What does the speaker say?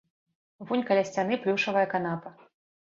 Вунь каля сцяны плюшавая канапа.